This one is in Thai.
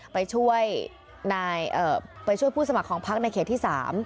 ไปช่วยผู้สมัครของพักในเขตที่๓